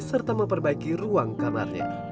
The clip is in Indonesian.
serta memperbaiki ruang kamarnya